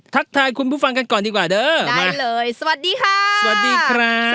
ทักทายคุณผู้ฟังกันก่อนดีกว่าเด้อได้เลยสวัสดีค่ะสวัสดีครับ